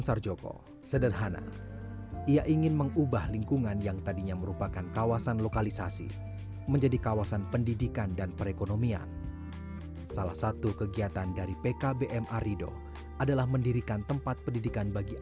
seperti ini jadi kita membuatkan waktu sedikit pun waktu sangat berharga jangan sampai nanti